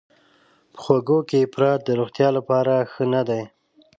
په خوږو کې افراط د روغتیا لپاره ښه نه دی.